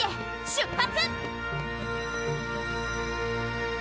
出発！